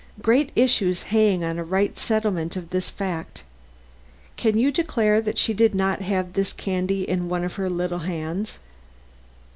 Great issues hang on a right settlement of this fact. Can you declare that she did not have this candy in one of her little hands?"